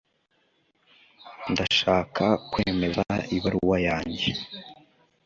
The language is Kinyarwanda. Ndashaka kwemeza ibaruwa yanjye